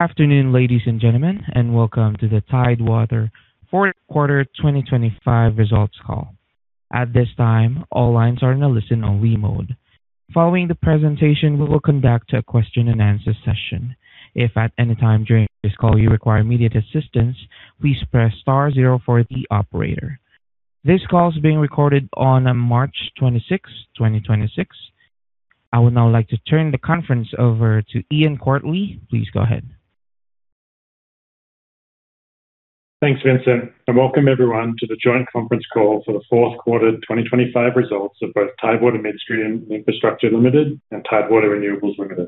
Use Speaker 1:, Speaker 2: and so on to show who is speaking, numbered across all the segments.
Speaker 1: Afternoon, ladies and gentlemen, and welcome to the Tidewater fourth quarter 2025 results call. At this time, all lines are in a listen-only mode. Following the presentation, we will conduct a question and answer session. If at any time during this call you require immediate assistance, please press star zero for the operator. This call is being recorded on March 26, 2026. I would now like to turn the conference over to Ian Quartly. Please go ahead.
Speaker 2: Thanks, Vincent, and welcome everyone to the joint conference call for the fourth quarter 2025 results of both Tidewater Midstream and Infrastructure Limited and Tidewater Renewables Limited.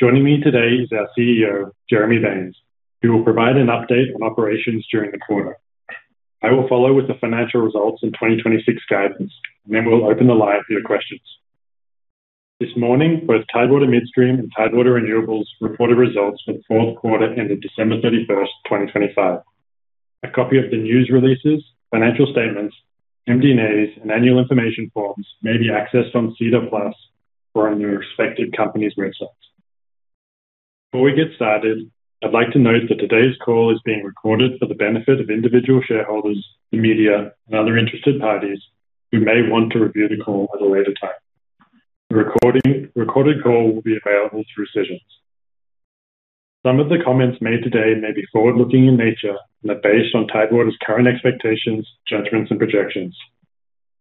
Speaker 2: Joining me today is our CEO, Jeremy Baines, who will provide an update on operations during the quarter. I will follow with the financial results and 2026 guidance, and then we'll open the line for your questions. This morning, both Tidewater Midstream and Tidewater Renewables reported results for the fourth quarter ended December 31, 2025. A copy of the news releases, financial statements, MD&As and annual information forms may be accessed on SEDAR+ or on your respective company's websites. Before we get started, I'd like to note that today's call is being recorded for the benefit of individual shareholders, the media and other interested parties who may want to review the call at a later time. The recorded call will be available through sessions. Some of the comments made today may be forward-looking in nature and are based on Tidewater's current expectations, judgments and projections.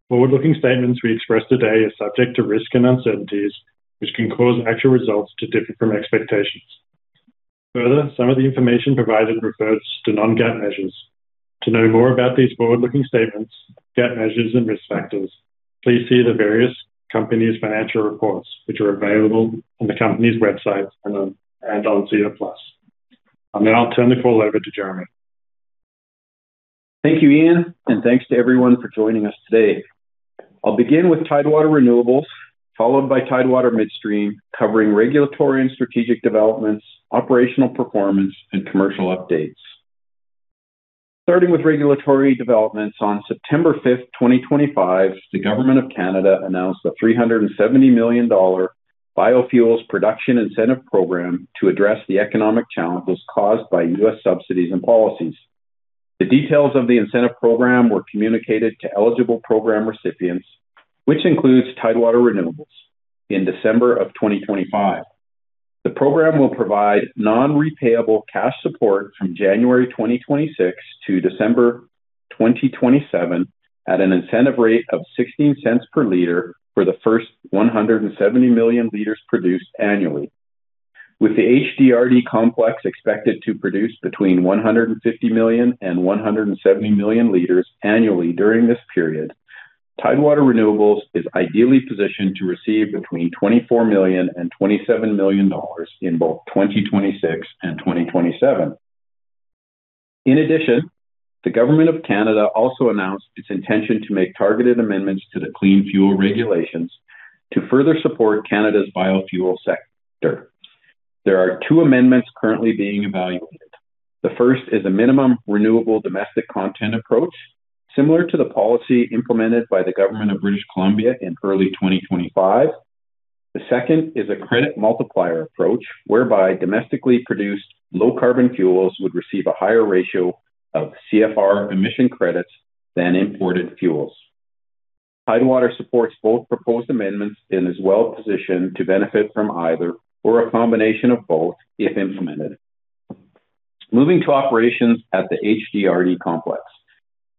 Speaker 2: Forward-looking statements we express today are subject to risks and uncertainties, which can cause actual results to differ from expectations. Further, some of the information provided refers to non-GAAP measures. To know more about these forward-looking statements, non-GAAP measures and risk factors, please see the company's financial reports, which are available on the company's websites and on SEDAR+. Now I'll turn the call over to Jeremy.
Speaker 3: Thank you, Ian, and thanks to everyone for joining us today. I'll begin with Tidewater Renewables, followed by Tidewater Midstream, covering regulatory and strategic developments, operational performance, and commercial updates. Starting with regulatory developments on September 5th, 2025, the Government of Canada announced a 370 million dollar Biofuels Production Incentive program to address the economic challenges caused by U.S. subsidies and policies. The details of the incentive program were communicated to eligible program recipients, which includes Tidewater Renewables in December of 2025. The program will provide non-repayable cash support from January 2026 to December 2027 at an incentive rate of 0.16 per liter for the first 170 million liters produced annually. With the HDRD Complex expected to produce between 150 million and 170 million liters annually during this period, Tidewater Renewables is ideally positioned to receive between 24 million and 27 million dollars in both 2026 and 2027. In addition, the Government of Canada announced its intention to make targeted amendments to the Clean Fuel Regulations to further support Canada's biofuel sector. There are two amendments currently being evaluated. The first is a minimum renewable domestic content approach, similar to the policy implemented by the Government of British Columbia in early 2025. The second is a credit multiplier approach, whereby domestically produced low carbon fuels would receive a higher ratio of CFR emission credits than imported fuels. Tidewater supports both proposed amendments and is well-positioned to benefit from either or a combination of both if implemented. Moving to operations at the HDRD Complex.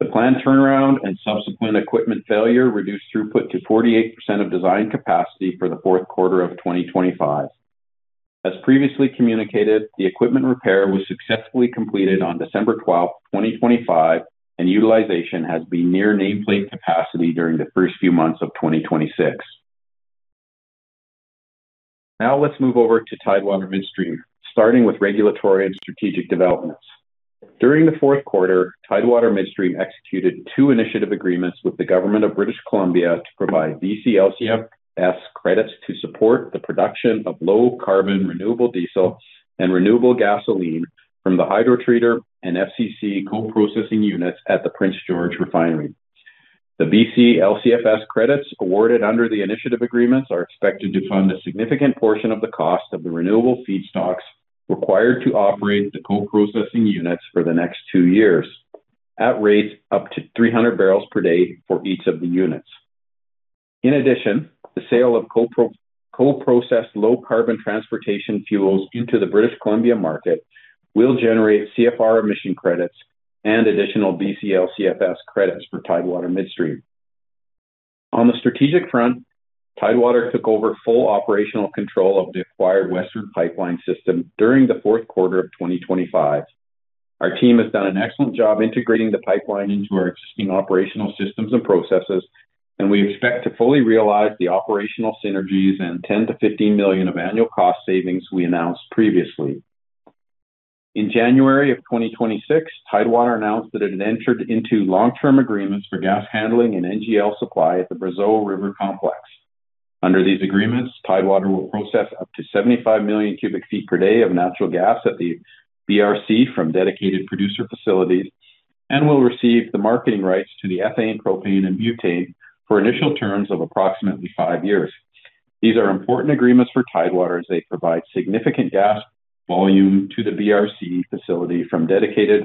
Speaker 3: The planned turnaround and subsequent equipment failure reduced throughput to 48% of design capacity for the fourth quarter of 2025. As previously communicated, the equipment repair was successfully completed on December 12, 2025, and utilization has been near nameplate capacity during the first few months of 2026. Now let's move over to Tidewater Midstream, starting with regulatory and strategic developments. During the fourth quarter, Tidewater Midstream executed two initiative agreements with the Government of British Columbia to provide BC LCFS credits to support the production of low carbon renewable diesel and renewable gasoline from the hydrotreater and FCC coprocessing units at the Prince George Refinery. The BC LCFS credits awarded under the initiative agreements are expected to fund a significant portion of the cost of the renewable feedstocks required to operate the coprocessing units for the next two years at rates up to 300 barrels per day for each of the units. In addition, the sale of coprocessed low carbon transportation fuels into the British Columbia market will generate CFR emission credits and additional BC LCFS credits for Tidewater Midstream. On the strategic front, Tidewater took over full operational control of the acquired Western Pipeline system during the fourth quarter of 2025. Our team has done an excellent job integrating the pipeline into our existing operational systems and processes, and we expect to fully realize the operational synergies and 10 million-15 million of annual cost savings we announced previously. In January of 2026, Tidewater announced that it had entered into long-term agreements for gas handling and NGL supply at the Brazeau River complex. Under these agreements, Tidewater will process up to 75 million cubic feet per day of natural gas at the BRC from dedicated producer facilities and will receive the marketing rights to the ethane, propane and butane for initial terms of approximately five years. These are important agreements for Tidewater as they provide significant gas volume to the BRC facility from dedicated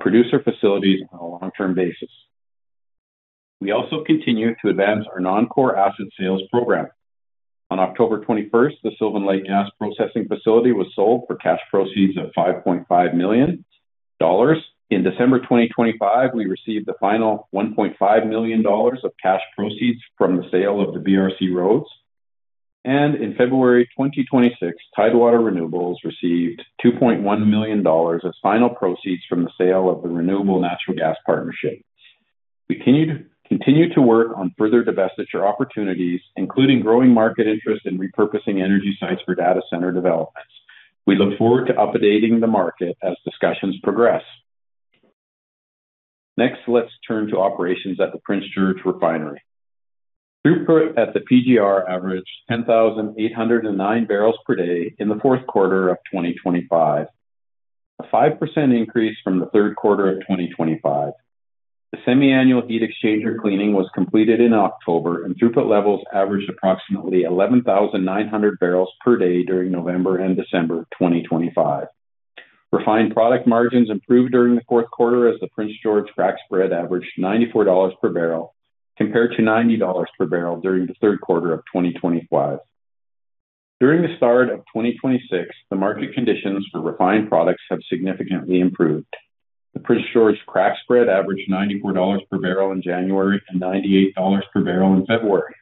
Speaker 3: producer facilities on a long-term basis. We also continue to advance our non-core asset sales program. On October 21, the Sylvan Lake gas processing facility was sold for cash proceeds of 5.5 million dollars. In December 2025, we received the final 1.5 million dollars of cash proceeds from the sale of the BRC roads. In February 2026, Tidewater Renewables received 2.1 million dollars of final proceeds from the sale of the Renewable Natural Gas Partnership. We continue to work on further divestiture opportunities, including growing market interest in repurposing energy sites for data center developments. We look forward to updating the market as discussions progress. Next, let's turn to operations at the Prince George Refinery. Throughput at the PGR averaged 10,809 barrels per day in the fourth quarter of 2025. A 5% increase from the third quarter of 2025. The semi-annual heat exchanger cleaning was completed in October, and throughput levels averaged approximately 11,900 barrels per day during November and December 2025. Refined product margins improved during the fourth quarter as the Prince George crack spread averaged $94 per barrel, compared to $90 per barrel during the third quarter of 2025. During the start of 2026, the market conditions for refined products have significantly improved. The Prince George crack spread averaged $94 per barrel in January and $98 per barrel in February.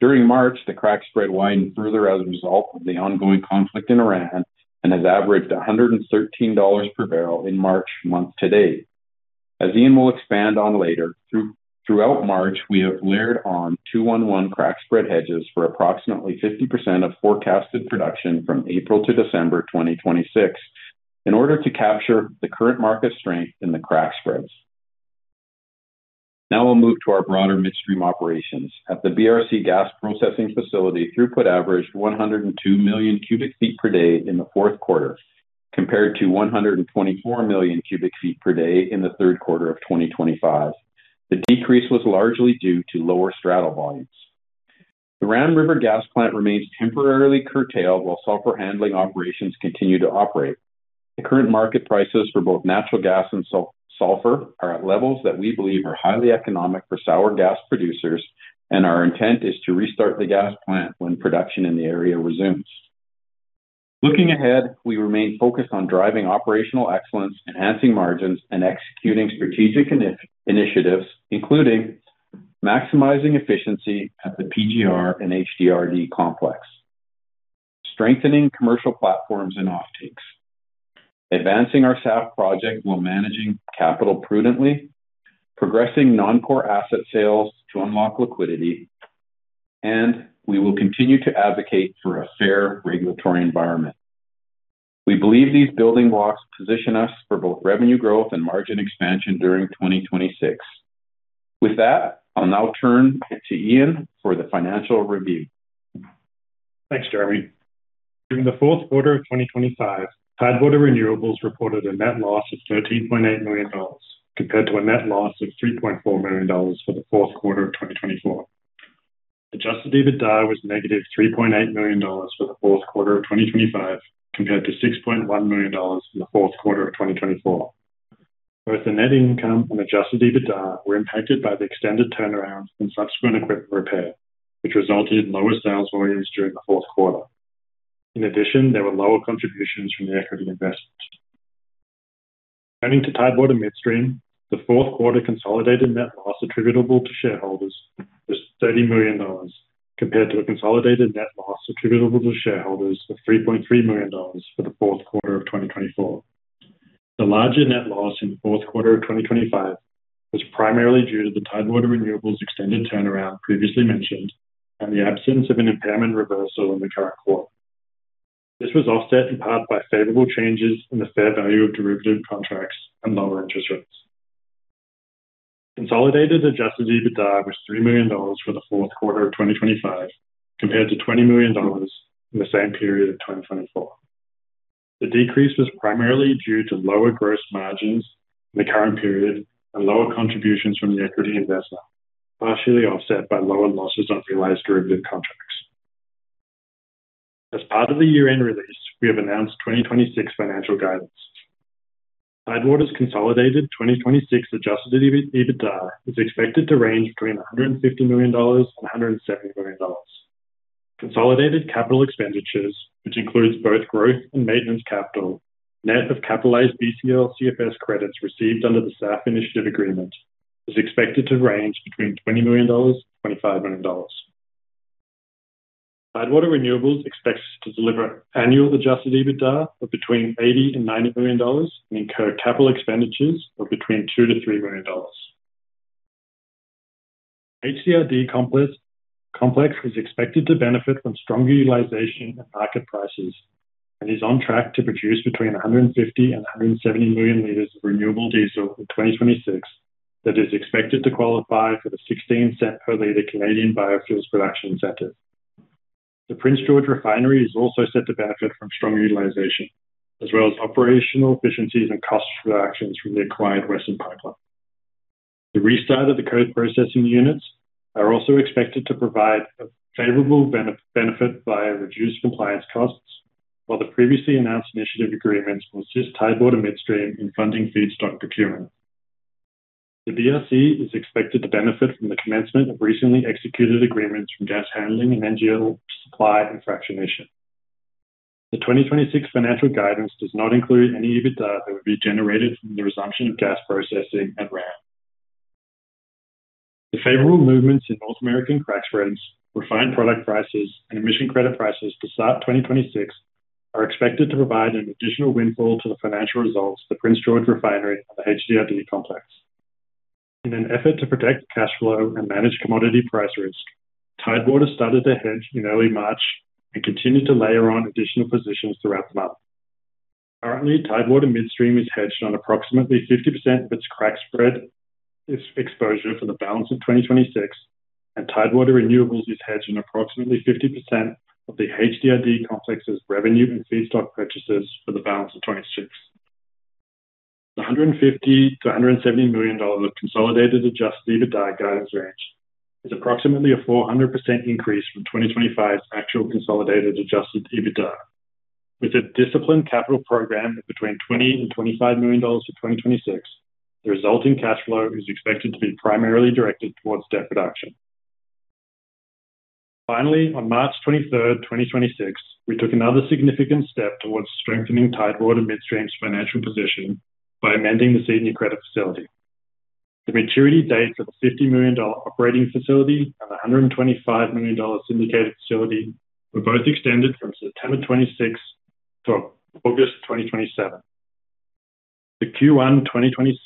Speaker 3: During March, the crack spread widened further as a result of the ongoing conflict in Iran and has averaged $113 per barrel in March month to date. As Ian will expand on later, throughout March, we have layered on 2-1-1 crack spread hedges for approximately 50% of forecasted production from April to December 2026 in order to capture the current market strength in the crack spreads. Now we'll move to our broader midstream operations. At the BRC gas processing facility, throughput averaged 102 million cubic feet per day in the fourth quarter, compared to 124 million cubic feet per day in the third quarter of 2025. The decrease was largely due to lower straddle volumes. The Ram River Gas Plant remains temporarily curtailed while sulfur handling operations continue to operate. The current market prices for both natural gas and sulfur are at levels that we believe are highly economic for sour gas producers, and our intent is to restart the gas plant when production in the area resumes. Looking ahead, we remain focused on driving operational excellence, enhancing margins, and executing strategic initiatives, including maximizing efficiency at the PGR and HDRD Complex, strengthening commercial platforms and offtakes, advancing our SAF project while managing capital prudently, progressing non-core asset sales to unlock liquidity, and we will continue to advocate for a fair regulatory environment. We believe these building blocks position us for both revenue growth and margin expansion during 2026. With that, I'll now turn to Ian for the financial review.
Speaker 2: Thanks, Jeremy. During the fourth quarter of 2025, Tidewater Renewables reported a net loss of 13.8 million dollars compared to a net loss of 3.4 million dollars for the fourth quarter of 2024. Adjusted EBITDA was -3.8 million dollars for the fourth quarter of 2025 compared to 6.1 million dollars in the fourth quarter of 2024. Both the net income and adjusted EBITDA were impacted by the extended turnarounds and subsequent equipment repair, which resulted in lower sales volumes during the fourth quarter. In addition, there were lower contributions from the equity investments. Turning to Tidewater Midstream, the fourth quarter consolidated net loss attributable to shareholders was 30 million dollars compared to a consolidated net loss attributable to shareholders of 3.3 million dollars for the fourth quarter of 2024. The larger net loss in the fourth quarter of 2025 was primarily due to the Tidewater Renewables extended turnaround previously mentioned and the absence of an impairment reversal in the current quarter. This was offset in part by favorable changes in the fair value of derivative contracts and lower interest rates. Consolidated adjusted EBITDA was 3 million dollars for the fourth quarter of 2025 compared to 20 million dollars in the same period of 2024. The decrease was primarily due to lower gross margins in the current period and lower contributions from the equity investor, partially offset by lower losses on realized derivative contracts. As part of the year-end release, we have announced 2026 financial guidance. Tidewater's consolidated 2026 adjusted EBITDA is expected to range between 150 million dollars and 170 million dollars. Consolidated capital expenditures, which includes both growth and maintenance capital, net of capitalized BC LCFS credits received under the SAF initiative agreement, is expected to range between 20 million-25 million dollars. Tidewater Renewables expects to deliver annual adjusted EBITDA of between 80 million-90 million dollars and incur capital expenditures of between 2 million-3 million dollars. HDRD Complex is expected to benefit from stronger utilization and market prices and is on track to produce between 150 and 170 million liters of renewable diesel in 2026 that is expected to qualify for the 0.16 per liter Canadian Biofuels Production Incentive. Prince George Refinery is also set to benefit from strong utilization as well as operational efficiencies and cost reductions from the acquired Western Pipeline. The restart of the crude processing units are also expected to provide a favorable benefit via reduced compliance costs, while the previously announced initiative agreements will assist Tidewater Midstream in funding feedstock procurement. The BRC is expected to benefit from the commencement of recently executed agreements from gas handling and NGL supply and fractionation. The 2026 financial guidance does not include any EBITDA that would be generated from the resumption of gas processing at Ram. The favorable movements in North American crack spreads, refined product prices, and emission credit prices to start 2026 are expected to provide an additional windfall to the financial results of the Prince George Refinery and the HDRD Complex. In an effort to protect cash flow and manage commodity price risk, Tidewater started to hedge in early March and continued to layer on additional positions throughout the month. Currently, Tidewater Midstream is hedged on approximately 50% of its crack spread, its exposure for the balance of 2026, and Tidewater Renewables is hedged on approximately 50% of the HDRD Complex's revenue and feedstock purchases for the balance of 2026. The CAD 150 million-CAD 170 million of consolidated adjusted EBITDA guidance range is approximately a 400% increase from 2025's actual consolidated adjusted EBITDA. With a disciplined capital program of between 20 million and 25 million dollars for 2026, the resulting cash flow is expected to be primarily directed towards debt reduction. Finally, on March 23rd, 2026, we took another significant step towards strengthening Tidewater Midstream's financial position by amending the senior credit facility. The maturity dates of the CAD 50 million operating facility and the CAD 125 million syndicated facility were both extended from September 2026 to August 2027. The Q1 2026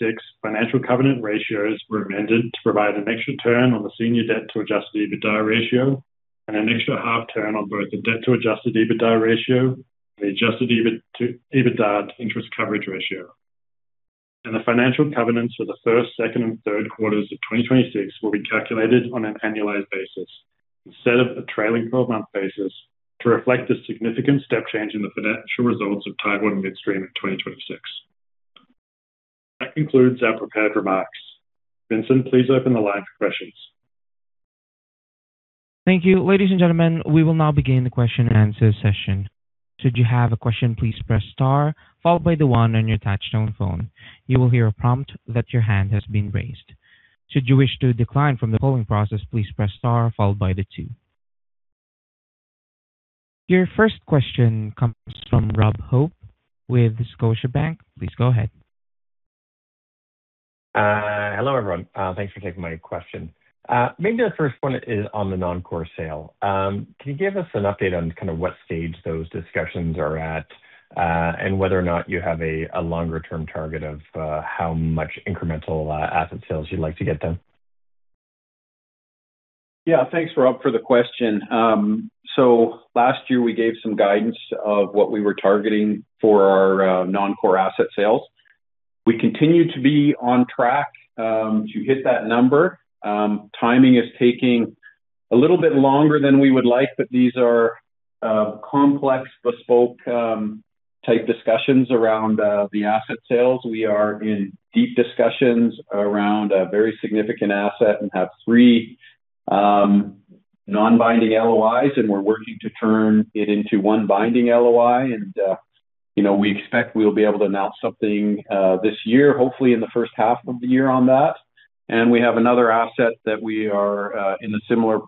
Speaker 2: financial covenant ratios were amended to provide an extra turn on the senior debt to adjusted EBITDA ratio and an extra half turn on both the debt to adjusted EBITDA ratio and the adjusted EBITDA to interest coverage ratio. The financial covenants for the first, second and third quarters of 2026 will be calculated on an annualized basis instead of a trailing twelve-month basis to reflect the significant step change in the financial results of Tidewater Midstream in 2026. That concludes our prepared remarks. Vincent, please open the line for questions.
Speaker 1: Thank you. Ladies and gentlemen, we will now begin the question and answer session. Should you have a question, please press star followed by the one on your touchtone phone. You will hear a prompt that your hand has been raised. Should you wish to decline from the polling process, please press star followed by the two. Your first question comes from Rob Hope with Scotiabank. Please go ahead.
Speaker 4: Hello, everyone. Thanks for taking my question. Maybe the first one is on the non-core sale. Can you give us an update on kind of what stage those discussions are at, and whether or not you have a longer-term target of how much incremental asset sales you'd like to get done?
Speaker 3: Yeah. Thanks, Rob, for the question. So last year, we gave some guidance of what we were targeting for our non-core asset sales. We continue to be on track to hit that number. Timing is taking a little bit longer than we would like, but these are complex bespoke type discussions around the asset sales. We are in deep discussions around a very significant asset and have three non-binding LOIs, and we're working to turn it into one binding LOI. You know, we expect we'll be able to announce something this year, hopefully in the first half of the year on that. We have another asset that we are in a similar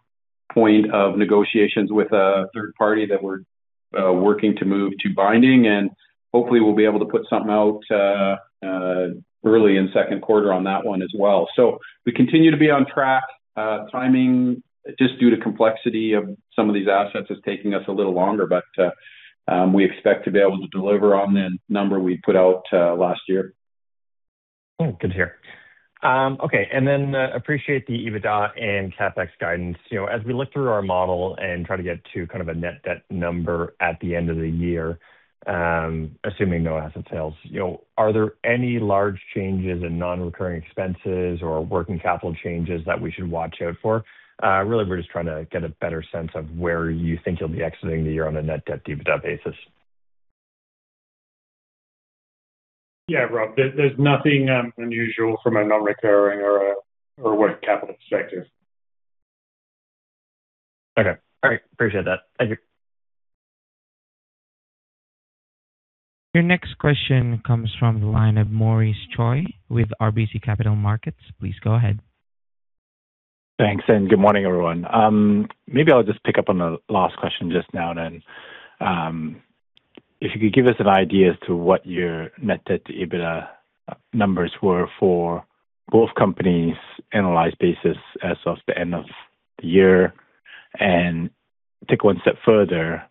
Speaker 3: point of negotiations with a third party that we're working to move to binding, and hopefully we'll be able to put something out early in second quarter on that one as well. We continue to be on track. Timing, just due to complexity of some of these assets, is taking us a little longer, but we expect to be able to deliver on the number we put out last year.
Speaker 4: Okay, and appreciate the EBITDA and CapEx guidance. You know, as we look through our model and try to get to kind of a net debt number at the end of the year, assuming no asset sales, you know, are there any large changes in non-recurring expenses or working capital changes that we should watch out for? Really, we're just trying to get a better sense of where you think you'll be exiting the year on a net debt to EBITDA basis.
Speaker 2: Yeah, Rob, there's nothing unusual from a non-recurring or working capital perspective.
Speaker 4: Okay. All right. Appreciate that. Thank you.
Speaker 1: Your next question comes from the line of Maurice Choy with RBC Capital Markets. Please go ahead.
Speaker 5: Thanks, and good morning, everyone. Maybe I'll just pick up on the last question just now then. If you could give us an idea as to what your net debt to EBITDA numbers were for both companies analyzed basis as of the end of the year? Take one step further,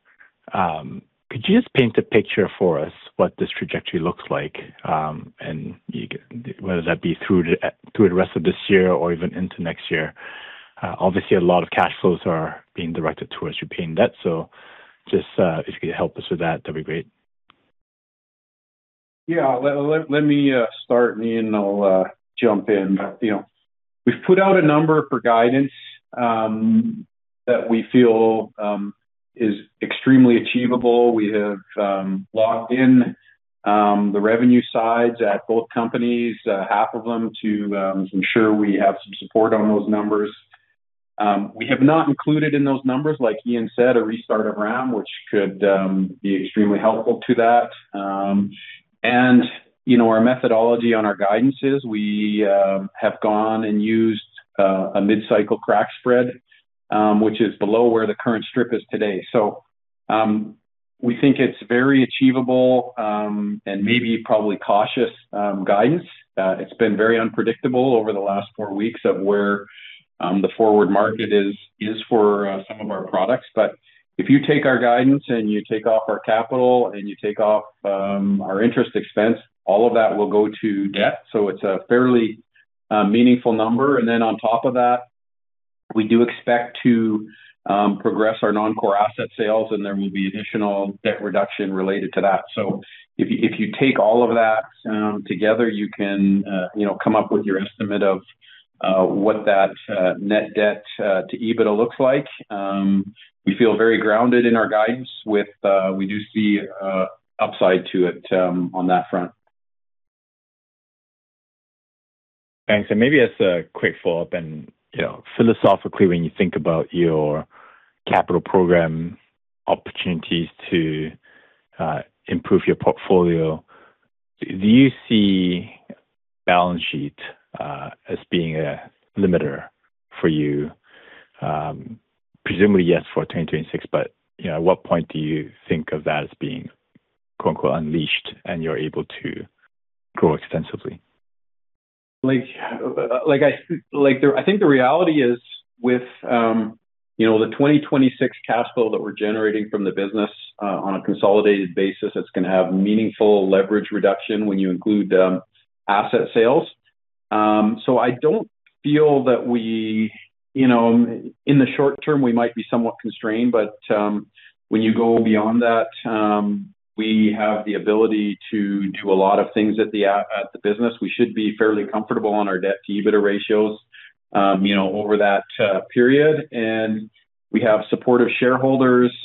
Speaker 5: could you just paint a picture for us what this trajectory looks like, you know, whether that be through the rest of this year or even into next year? Obviously a lot of cash flows are being directed towards repaying debt. Just, if you could help us with that'd be great.
Speaker 3: Let me start, Ian. I'll jump in. You know, we've put out a number for guidance that we feel is extremely achievable. We have locked in the revenue sides at both companies, half of them to ensure we have some support on those numbers. We have not included in those numbers, like Ian said, a restart of Ram, which could be extremely helpful to that. You know, our methodology on our guidances, we have gone and used a mid-cycle crack spread which is below where the current strip is today. We think it's very achievable and maybe probably cautious guidance. It's been very unpredictable over the last four weeks of where the forward market is for some of our products. If you take our guidance and you take off our capital and you take off our interest expense, all of that will go to debt. It's a fairly meaningful number. Then on top of that, we do expect to progress our non-core asset sales, and there will be additional debt reduction related to that. If you take all of that together, you can you know come up with your estimate of what that net debt to EBITDA looks like. We feel very grounded in our guidance with we do see upside to it on that front.
Speaker 5: Thanks. Maybe as a quick follow-up and, you know, philosophically, when you think about your capital program opportunities to improve your portfolio, do you see balance sheet as being a limiter for you? Presumably yes, for 2026, but, you know, at what point do you think of that as being, quote-unquote, unleashed and you're able to grow extensively?
Speaker 3: I think the reality is with, you know, the 2026 cash flow that we're generating from the business, on a consolidated basis, it's gonna have meaningful leverage reduction when you include asset sales. I don't feel that we, you know, in the short term, we might be somewhat constrained, but when you go beyond that, we have the ability to do a lot of things at the business. We should be fairly comfortable on our debt to EBITDA ratios, you know, over that period. We have supportive shareholders.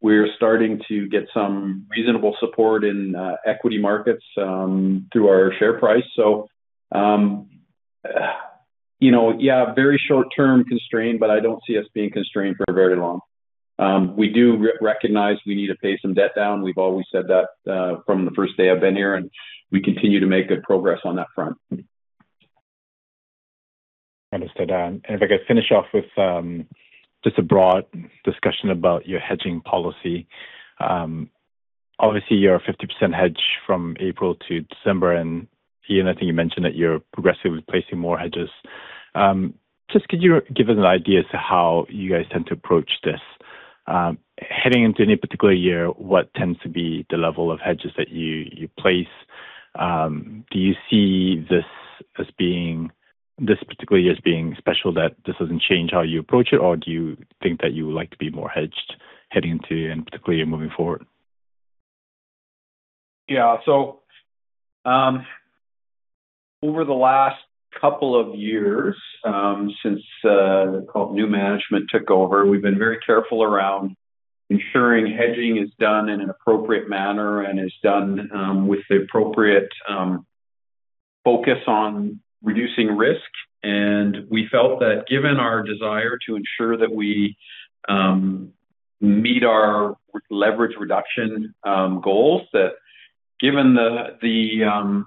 Speaker 3: We're starting to get some reasonable support in equity markets, through our share price. You know, very short-term constrained, but I don't see us being constrained for very long. We do recognize we need to pay some debt down. We've always said that, from the first day I've been here, and we continue to make good progress on that front.
Speaker 5: Understood. If I could finish off with just a broad discussion about your hedging policy. Obviously, you're a 50% hedge from April to December, and, Ian, I think you mentioned that you're progressively placing more hedges. Just could you give us an idea as to how you guys tend to approach this? Heading into any particular year, what tends to be the level of hedges that you place? Do you see this particular year as being special that this doesn't change how you approach it, or do you think that you would like to be more hedged heading into and particularly moving forward?
Speaker 3: Yeah. Over the last couple of years, since new management took over, we've been very careful around ensuring hedging is done in an appropriate manner and is done with the appropriate focus on reducing risk. We felt that given our desire to ensure that we meet our leverage reduction goals, that given the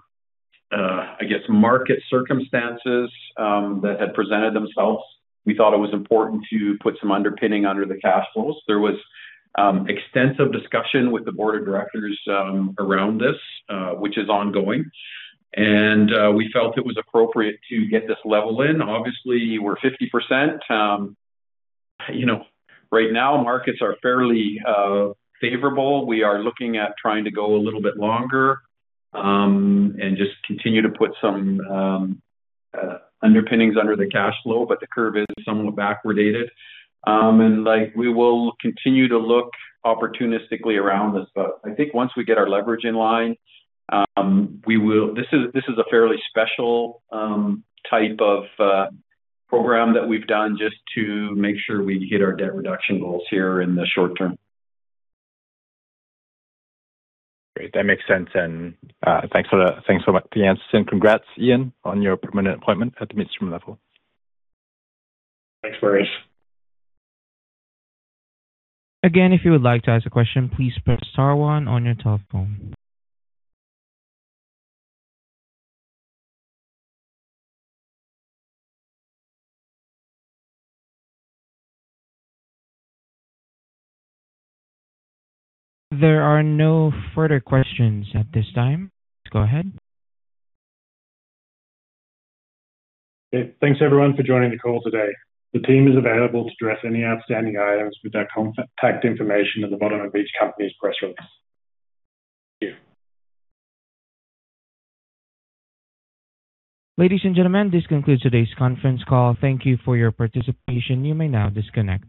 Speaker 3: I guess market circumstances that had presented themselves, we thought it was important to put some underpinning under the cash flows. There was extensive discussion with the board of directors around this, which is ongoing. We felt it was appropriate to get this level in. Obviously, we're 50%. You know, right now, markets are fairly favorable. We are looking at trying to go a little bit longer and just continue to put some underpinnings under the cash flow, but the curve is somewhat backwardated. Like, we will continue to look opportunistically around this, but I think once we get our leverage in line, this is a fairly special type of program that we've done just to make sure we hit our debt reduction goals here in the short term.
Speaker 5: Great. That makes sense. Thanks for that. Thanks so much for the answers. Congrats, Ian, on your permanent appointment at the Midstream level.
Speaker 2: Thanks, Maurice.
Speaker 1: Again, if you would like to ask a question, please press star one on your telephone. There are no further questions at this time. Go ahead.
Speaker 2: Thanks everyone for joining the call today. The team is available to address any outstanding items with their contact information at the bottom of each company's press release. Thank you.
Speaker 1: Ladies and gentlemen, this concludes today's conference call. Thank you for your participation. You may now disconnect.